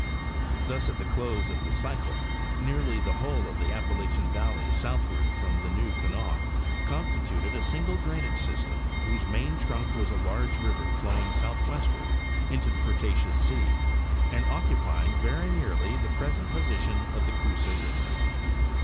Thus at the close of the cycle nearly the whole of the Appa lachian valley southward' from the New Kanawha constituted a single drainage system whose main trunk was a large river flowing southwestward into the Cretaceous sea and occupying very nearly the present position of the Coosa river.